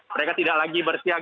mereka tidak lagi berbicara